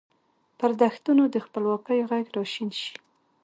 پر دښتونو د خپلواکۍ ږغ را شین شي